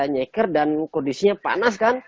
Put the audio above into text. nyeker dan kondisinya panas kan